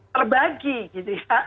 terbagi gitu ya